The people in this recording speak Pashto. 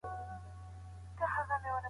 زړه پاک کړئ.